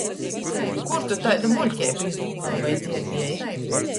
Kur tu taidu muļkeibu izdūmuoji voi dzierdieji?